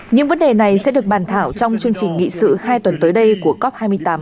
những vấn đề này sẽ được bàn thảo trong chương trình nghị sự hai tuần tới đây của cop hai mươi tám